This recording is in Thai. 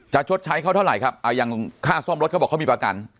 ชดใช้เขาเท่าไหร่ครับอย่างค่าซ่อมรถเขาบอกเขามีประกัน